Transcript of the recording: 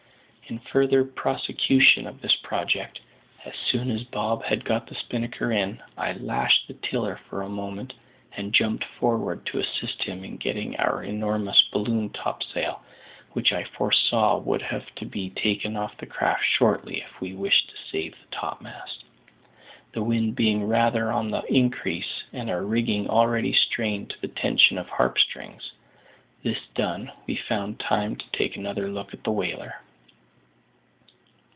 In further prosecution of this project, as soon as Bob had got the spinnaker in, I lashed the tiller for a moment and jumped forward to assist him in getting in our enormous balloon topsail, which I foresaw would have to be taken off the craft shortly if we wished to save the topmast, the wind being rather on the increase and our rigging already strained to the tension of harp strings. This done, we found time to take another look at the whaler.